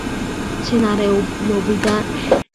მცენარეულობიდან ჭარბობს ფოთლოვანი ტყე და ბუჩქები.